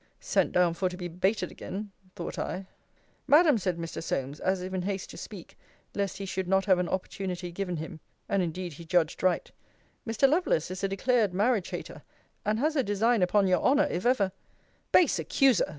Sent down for to be baited again, thought I! Madam, said Mr. Solmes, as if in haste to speak, lest he should not have an opportunity given him, [and indeed he judged right,] Mr. Lovelace is a declared marriage hater, and has a design upon your honour, if ever Base accuser!